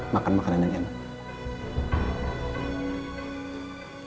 makan makanan yang enak